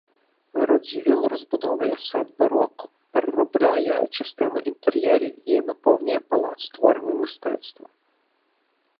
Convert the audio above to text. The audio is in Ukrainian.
Радзівіл розбудовує сад бароко, переробляє частину інтер'єрів і наповнює палац творами мистецтва.